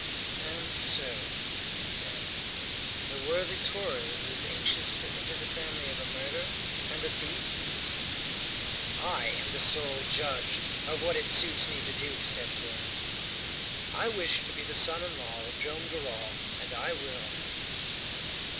"And so," he said, "the worthy Torres is anxious to enter the family of a murderer and a thief?" "I am the sole judge of what it suits me to do," said Torres. "I wish to be the son in law of Joam Garral, and I will."